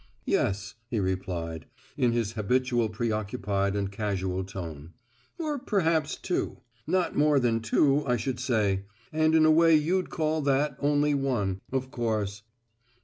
"Yes," he replied, in his habitual preoccupied and casual tone. "Or perhaps two. Not more than two, I should say and in a way you'd call that only one, of course.